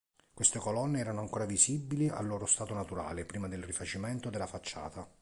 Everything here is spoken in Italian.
Queste colonne erano ancora visibili al loro stato naturale prima del rifacimento della facciata.